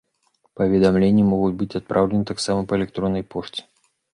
Паведамленні могуць быць адпраўлены таксама па электроннай пошце.